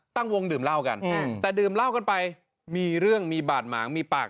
ตั้งวงดื่มเหล้ากันแต่ดื่มเหล้ากันไปมีเรื่องมีบาดหมางมีปาก